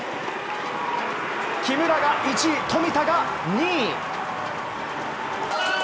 木村が１位、富田が２位。